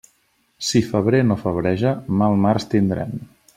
Si febrer no febreja, mal març tindrem.